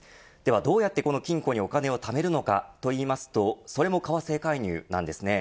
どうやってこの金庫にお金をためるのかといいますとそれも為替介入なんです。